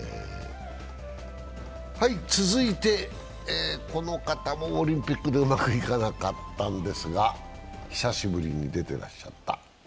続いて、この方もオリンピックでうまくいかなかったんですが、久しぶりに出てらっしゃった。